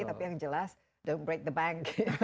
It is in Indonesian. tapi yang jelas don t break the bank